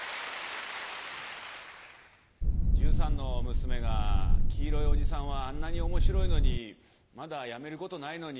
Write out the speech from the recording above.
１３の娘が「黄色いおじさんはあんなに面白いのにまだやめることないのに。